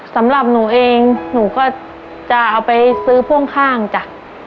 สำหรับหนูเองหนูก็จะเอาไปซื้อพ่วงข้างจ้ะ